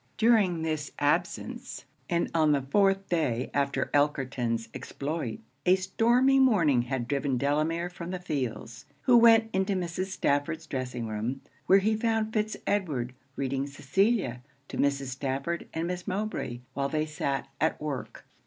During this absence, and on the fourth day after Elkerton's exploit, a stormy morning had driven Delamere from the fields; who went into Mrs. Stafford's dressing room, where he found Fitz Edward reading Cecilia to Mrs. Stafford and Miss Mowbray while they sat at work.